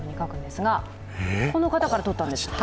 この方からとったんですって。